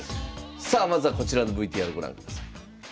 さあまずはこちらのＶＴＲご覧ください。